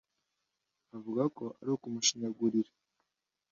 avuga ko ari ukumushinyagurira,